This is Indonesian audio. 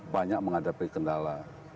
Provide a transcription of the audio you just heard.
banyak menghadapi kendala